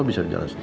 bisa jalan sendiri